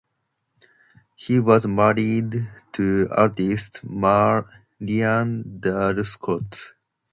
He was married to artist Marian Dale Scott.